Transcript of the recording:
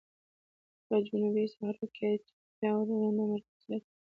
افریقا جنوبي صحرا کې ایتوپیا او روندا مرکزیت لري.